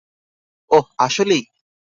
ওহ, আসলেই।